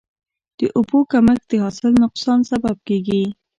د اوبو کمښت د حاصل نقصان سبب کېږي.